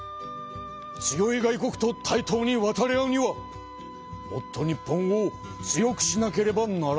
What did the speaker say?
強い外国と対等にわたり合うにはもっと日本を強くしなければならないのだ。